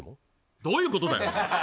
どういうことだよ！